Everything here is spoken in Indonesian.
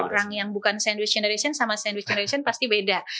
orang yang bukan sandwich generation sama sandwich generation pasti beda